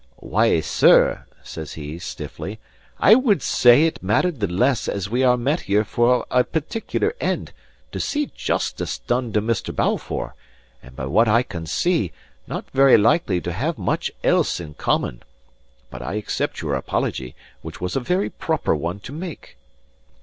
"Why, sir," says he, stiffly, "I would say it mattered the less as we are met here for a particular end, to see justice done to Mr. Balfour; and by what I can see, not very likely to have much else in common. But I accept your apology, which was a very proper one to make."